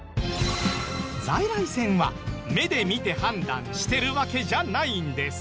在来線は目で見て判断してるわけじゃないんです。